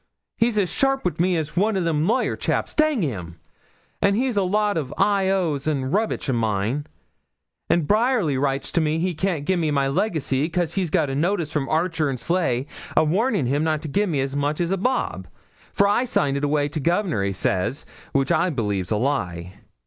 He's as sharp wi' me as one o' them lawyer chaps, dang 'em, and he's a lot of I O's and rubbitch o' mine; and Bryerly writes to me he can't gi'e me my legacy, 'cause he's got a notice from Archer and Sleigh a warnin' him not to gi'e me as much as a bob; for I signed it away to governor, he says which I believe's a lie.